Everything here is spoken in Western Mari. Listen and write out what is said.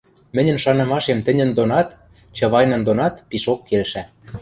Мӹньӹн шанымашем тӹньӹн донат, Чавайнын донат пишок келшӓ.